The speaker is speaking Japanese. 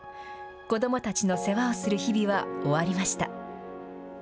子どもたちの世話をする日々は終わりました。